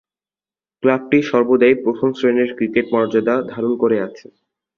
ক্লাবটি সর্বদাই প্রথম-শ্রেণীর ক্রিকেট মর্যাদা ধারণ করে আছে।